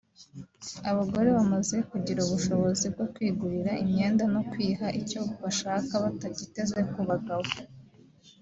Abagore bamaze kugira ubushobozi bwo kwigurira imyenda no kwiha icyo bashaka batagiteze ku bagabo